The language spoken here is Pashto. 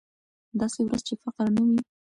داسې ورځ چې فقر نه وي.